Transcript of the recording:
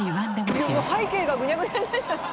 背景がぐにゃぐにゃになっちゃった！